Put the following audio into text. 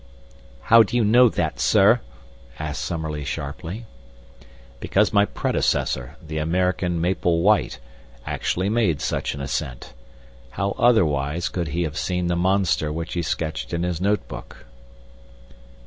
"How do you know that, sir?" asked Summerlee, sharply. "Because my predecessor, the American Maple White, actually made such an ascent. How otherwise could he have seen the monster which he sketched in his notebook?"